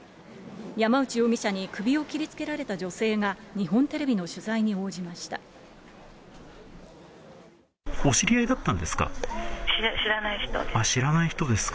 山内容疑者に首を切りつけられた女性が、日本テレビの取材に応じお知り合いだったんですか？